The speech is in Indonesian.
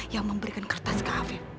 yang memberikan kertas ke kafe